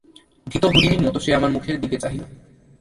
ভীত হরিণীর মতো সে আমার মুখের দিকে চাহিল।